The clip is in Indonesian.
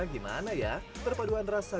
gimana ya perpaduan rasa